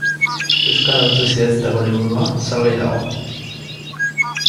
Euskara hutsez idatzitako liburua, salgai dago.